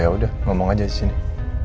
ya udah ngomong aja disini